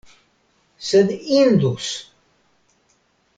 Sed indus!